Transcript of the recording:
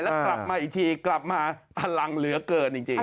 แล้วกลับมาอีกทีกลับมาพลังเหลือเกินจริง